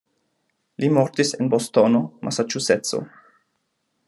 Li mortis en Bostono, Masaĉuseco.